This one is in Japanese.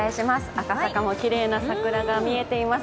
赤坂もきれいな桜が見えています。